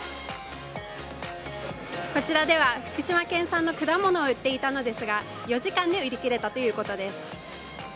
こちらでは福島県産の果物を売っていたのですが、４時間で売り切れたということです。